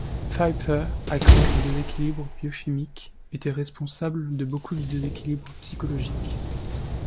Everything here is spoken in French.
Pfeiffer a cru que les déséquilibres biochimiques étaient responsables de beaucoup de déséquilibres psychologiques.